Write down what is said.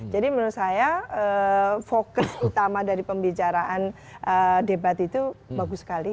jadi menurut saya fokus utama dari pembicaraan debat itu bagus sekali